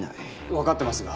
わかってますが。